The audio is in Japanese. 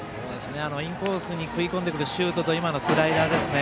インコースに食い込んでくるシュートと今のスライダーですね。